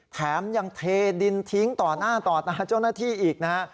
แถมยังเทดินทิ้งต่อหน้าต่อตาเจ้าหน้าที่อีกนะฮะ